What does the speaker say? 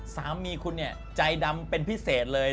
สามีคุณเนี่ยใจดำเป็นพิเศษเลย